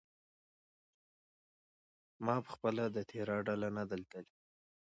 ما پخپله د تیراه ډله نه ده لیدلې.